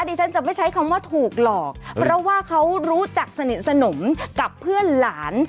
ดิฉันจะไม่ใช้คำว่าถูกหลอกเพราะว่าเขารู้จักสนิทสนมกับเพื่อนหลาน